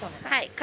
はい。